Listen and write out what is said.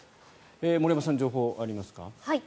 森山さん、情報ありますか？